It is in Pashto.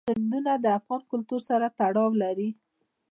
سیندونه د افغان کلتور سره تړاو لري.